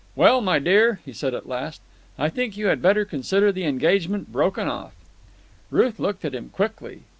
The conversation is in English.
"Well, my dear," he said at last. "I think you had better consider the engagement broken off." Ruth looked at him quickly.